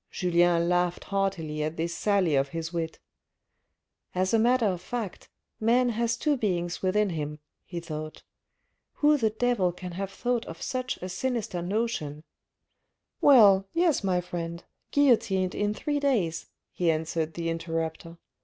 Julien laughed heartily at this sally of his wit. "As a matter of fact, man has two beings within him, he thought. Who the devil can have thought of such a sinister notion ?"" Well, yes, my friend : guillotined in three days," he answered the interruptor.